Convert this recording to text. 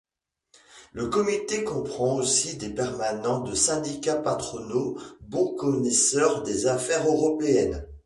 Le comité comprend aussi des permanents de syndicats patronaux, bons connaisseurs des affaires européennes.